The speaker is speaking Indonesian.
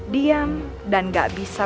diam dan gak bisa